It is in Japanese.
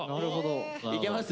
いけます？